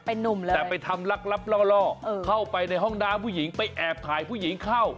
แต่ไปทำลักลับล่อเข้าไปในห้องด้านผู้หญิงไปแอบถ่ายผู้หญิงเข้า